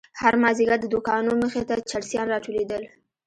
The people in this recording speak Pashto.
هر مازيگر د دوکانو مخې ته چرسيان راټولېدل.